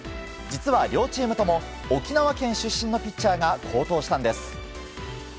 実は両チームとも沖縄県出身のピッチャーが好投したんです。